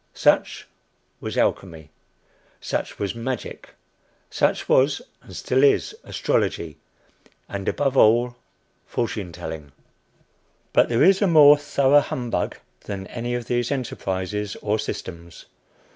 Such was Alchemy, such was Magic, such was and still is Astrology, and above all, Fortune telling. But there is a more thorough humbug than any of these enterprises or systems.